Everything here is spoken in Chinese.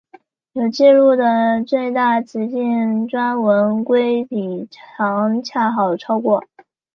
有纪录的最大雌性钻纹龟体长恰好超过。